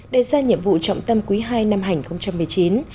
đề ra nhiệm vụ trọng tâm quý ii năm hành một mươi chín